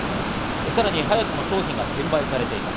さらに早くも商品が転売されています。